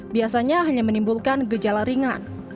biasanya hanya menimbulkan gejala ringan